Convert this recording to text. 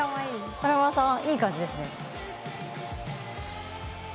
華丸さん、いい感じですね。